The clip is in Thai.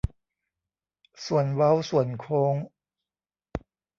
ส่วนเว้าส่วนโค้ง